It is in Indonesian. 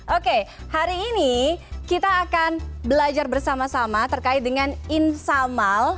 oke hari ini kita akan belajar bersama sama terkait dengan insamal